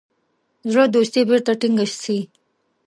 زړه دوستي بیرته ټینګه سي.